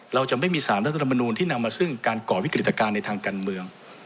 เราจะไม่มีสารรัฐธรรมนูลที่นำมาซึ่งการก่อวิกฤตการณ์ในทางการเมือง